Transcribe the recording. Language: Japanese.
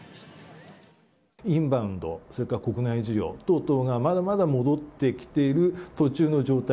インバウンド、それから国内需要等々がまだまだ戻ってきている途中の状態。